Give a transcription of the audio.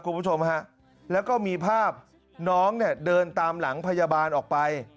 คุณผู้ชมฮะแล้วก็มีภาพน้องเนี่ยเดินตามหลังพยาบาลออกไป